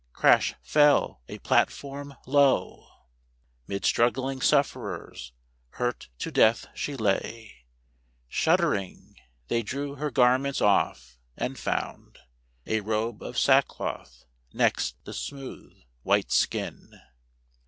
crash fell a platform! Lo, Mid struggling sufferers, hurt to death, she lay! Shuddering, they drew her garments off and found A robe of sackcloth next the smooth, white skin.